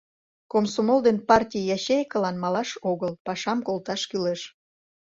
Комсомол ден партий ячейкылан малаш огыл, пашам колташ кӱлеш.